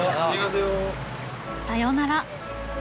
さようなら。